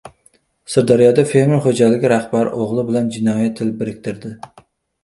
Sirdaryoda fermer xo‘jaligi rahbari o‘g‘li bilan jinoiy til biriktirdi